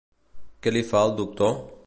Què li fa el doctor?